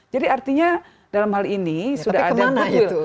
jadi artinya dalam hal ini sudah ada yang berjualan